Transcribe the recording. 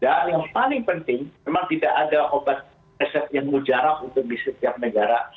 dan yang paling penting memang tidak ada obat resep yang mujarak untuk di setiap negara